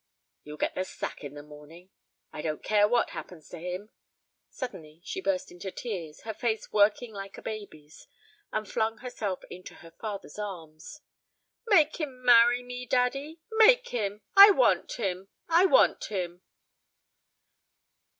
"He'll get the sack in the morning." "I don't care what happens to him." Suddenly she burst into tears, her face working like a baby's, and flung herself into her father's arms. "Make him marry me, daddy. Make him! I want him. I want him."